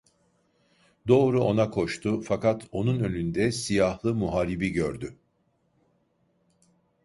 Doğru ona koştu, fakat onun önünde siyahlı muharibi gördü.